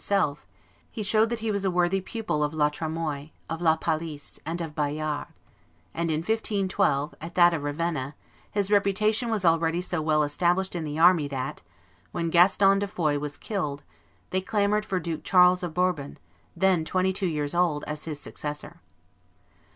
himself, he showed that he was a worthy pupil of La Tremoille, of La Palice, and of Bayard; and in 1512, at that of Ravenna, his reputation was already so well established in the army that, when Gaston de Foix was killed, they clamored for Duke Charles of Bourbon, then twenty two years old, as his successor.